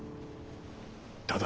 ただ。